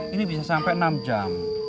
ini bisa sampai enam jam